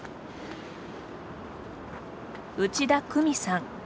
内田久美さん。